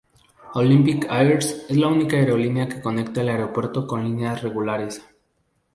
Olympic Air es la única aerolínea que conecta el aeropuerto con líneas regulares.